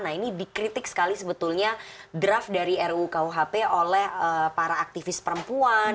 nah ini dikritik sekali sebetulnya draft dari rukuhp oleh para aktivis perempuan